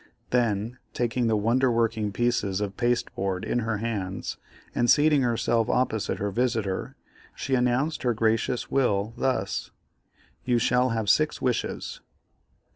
Then taking the wonder working pieces of pasteboard in her hands, and seating herself opposite her visitor, she announced her gracious will, thus: "You shall have six wishes."